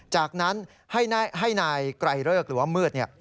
จากนั้นให้นายไกรเลิกหรือว่ามืด